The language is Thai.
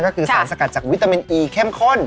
ก็คือสารสกัดจากวิตามินอีเข้มข้น